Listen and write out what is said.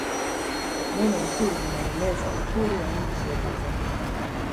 neno uhuru linaeleza uhuru wa nchi ya tanzania